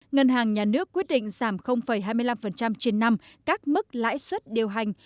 ngân hàng nhà nước quyết định giảm hai mươi năm trên năm các mức lãi suất điều hành